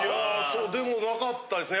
でもなかったですね。